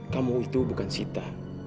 kamu itu bukan sita